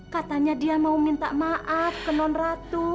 katanya dia mau minta maaf ke non ratu